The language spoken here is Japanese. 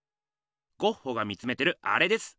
ゴッホが見つめてるアレです。